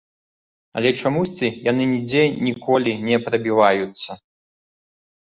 Але чамусьці яны нідзе ніколі не прабіваюцца.